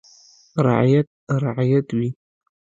• رعیت رعیت وي.